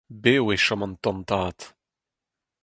Bev e chom an tantad.